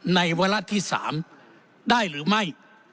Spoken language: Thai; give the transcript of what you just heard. ในเวลาที่สามได้หรือไม่